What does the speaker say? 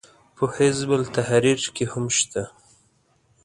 په حزب التحریر کې هم شته.